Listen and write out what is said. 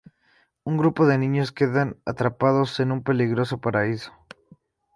Un grupo de niños quedan atrapados en un peligroso paraíso.